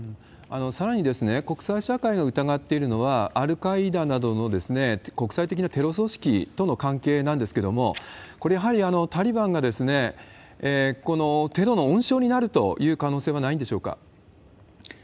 さらに、国際社会が疑ってるのは、アルカイダなどの国際的なテロ組織との関係なんですけれども、これはやはりタリバンがこのテロの温床になるという可能性はないんでしょうか。